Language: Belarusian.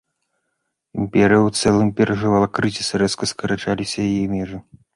Імперыя ў цэлым перажывала крызіс, рэзка скарачаліся яе межы.